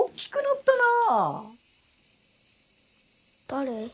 誰？